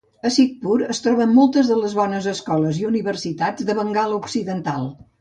A Shibpur es troben moltes de les bones escoles i universitats de Bengala Occidental.